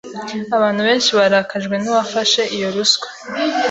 abantu benshi barakajwe n’uwafashe iyo ruswa